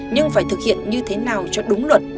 nhưng phải thực hiện như thế nào cho đúng luật